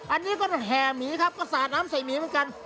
อันนี้ก็แห่หมีครับก็สาดน้ำใส่หมีเหมือนกัน